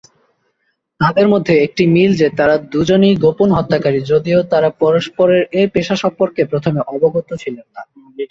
তাদের মধ্যে একটি মিল যে তারা দুজনেই গোপন হত্যাকারী, যদিও তারা পরস্পরের এ পেশা সম্পর্কে প্রথমে অবগত ছিলেন না।